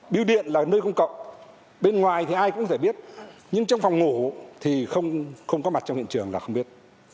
biêu điện là nơi công cộng bên ngoài thì ai cũng phải biết nhưng trong phòng ngủ thì không có mặt trong hiện trường là không biết